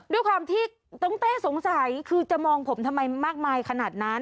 ด้วยความที่น้องเต้สงสัยคือจะมองผมทำไมมากมายขนาดนั้น